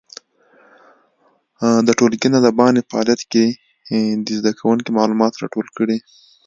د ټولګي نه د باندې فعالیت کې دې زده کوونکي معلومات راټول کړي.